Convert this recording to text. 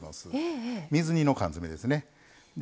水煮の缶詰ですね。